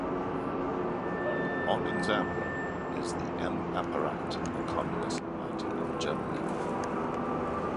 On example is the M-Apparat of the Communist Party of Germany.